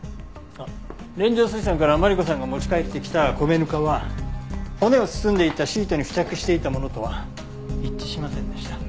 あっ連城水産からマリコさんが持ち帰ってきた米ぬかは骨を包んでいたシートに付着していたものとは一致しませんでした。